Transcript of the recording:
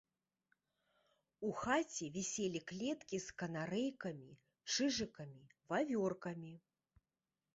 У хаце віселі клеткі з канарэйкамі, чыжыкамі, вавёркамі.